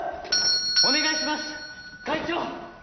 お願いします会長！